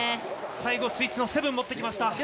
最後、スイッチの７２０持ってきました。